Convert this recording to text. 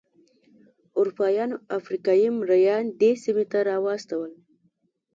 اروپایانو افریقايي مریان دې سیمې ته راوستل.